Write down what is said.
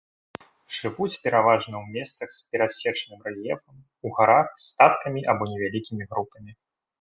Жывуць пераважна ў месцах з перасечаным рэльефам, у гарах, статкамі або невялікімі групамі.